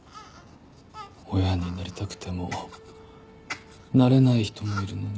親になりたくてもなれない人もいるのに。